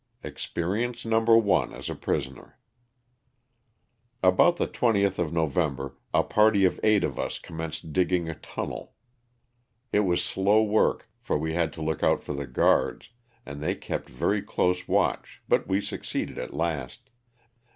Experience No. 1 as a prisoner. About the 20th of November a party of eight of us commenced digging a tunnel. It was slow work for we had to look out for the guards, and they kept very close watch but we succeeded at last.